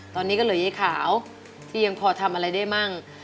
ตอนนี้ก็เหลือยายขาวที่ยังพอทำอะไรได้มั่ง